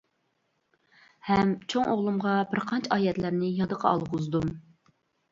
ھەم چوڭ ئوغلۇمغا بىر قانچە ئايەتلەرنى يادقا ئالغۇزدۇم.